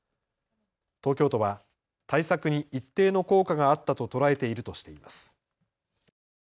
東京都は対策に一定の効果があったと捉えているとしています。